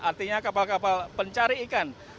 artinya kapal kapal pencari ikan